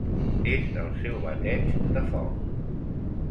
És el seu bateig de foc.